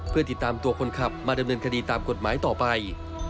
เพื่อติดตามตัวคนขับมาดำเนินคดีตามกฎหมายต่อไป